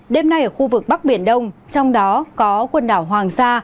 đêm nay ở khu vực bắc biển đông trong đó có quần đảo hoàng sa